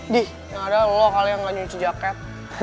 gih yaudah lo kali yang gak cuci jacket